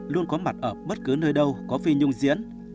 luôn có mặt ở bất cứ nơi đâu có phi nhung diễn